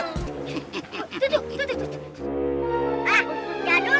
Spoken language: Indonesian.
tuh tuh tuh